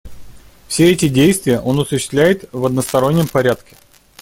Все эти действия он осуществляет в одностороннем порядке.